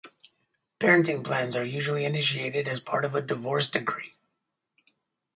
Parenting plans are usually initiated as part of a divorce decree.